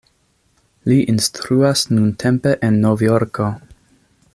Li instruas nuntempe en Novjorko.